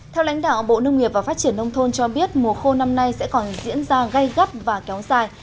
theo lãnh đạo bộ nông nghiệp và phát triển nông thôn cho biết mùa khô năm nay sẽ còn diễn ra gây gắt và kéo dài